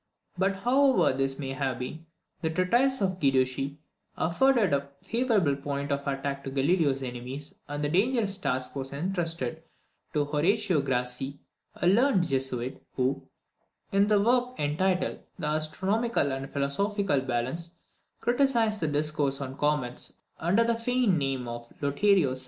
But, however this may have been, the treatise of Guiducci afforded a favourable point of attack to Galileo's enemies, and the dangerous task was entrusted to Horatio Grassi, a learned Jesuit, who, in a work entitled The Astronomical and Philosophical Balance, criticised the discourse on comets, under the feigned name of Lotario Sarsi.